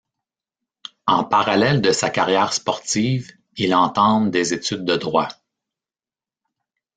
En parallèle de sa carrière sportive, il entame des études de droit.